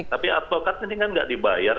tapi advokat ini kan nggak dibayar